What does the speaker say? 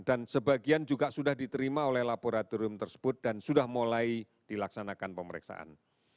dan sebagian juga sudah diterima oleh laboratorium tersebut dan sudah mulai dilaksanakan pemeriksaan